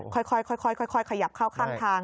ค่อยขยับเข้าข้างทาง